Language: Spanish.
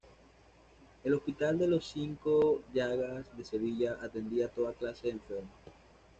El hospital de las Cinco Llagas de Sevilla atendía toda clase de enfermos.